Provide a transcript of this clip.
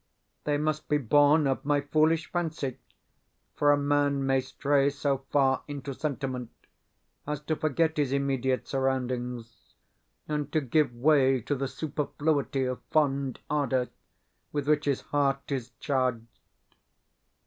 They must be born of my foolish fancy, for a man may stray so far into sentiment as to forget his immediate surroundings, and to give way to the superfluity of fond ardour with which his heart is charged.